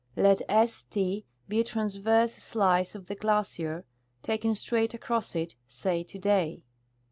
Let ^S' Tbe a transverse sHce of the glacier, taken straight across it, say to day.